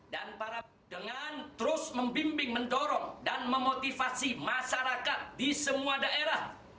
dengan terus membimbing mendorong dan memotivasi masyarakat di semua daerah